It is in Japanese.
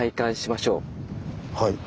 はい。